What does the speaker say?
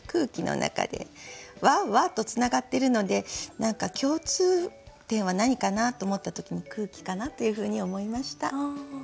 「は」とつながってるので何か共通点は何かなと思った時に「空気」かなというふうに思いました。